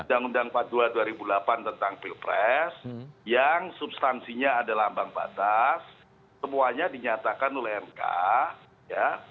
undang undang empat puluh dua dua ribu delapan tentang pilpres yang substansinya adalah ambang batas semuanya dinyatakan oleh mk ya